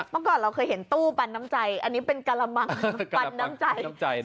เมื่อก่อนเราเคยเห็นตู้ปันน้ำใจอันนี้เป็นกะละมังปันน้ำใจ